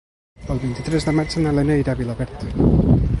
El vint-i-tres de maig na Lena irà a Vilaverd.